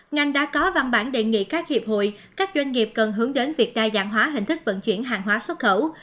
ngành đã có văn bản đề nghị các hiệp hội các doanh nghiệp cần hướng đến việc đa dạng hóa hình thức vận chuyển hàng hóa xuất khẩu